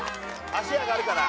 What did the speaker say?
足上がるから。